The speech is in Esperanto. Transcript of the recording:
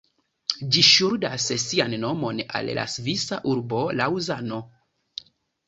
Ĝi ŝuldas sian nomon al la svisa urbo Laŭzano.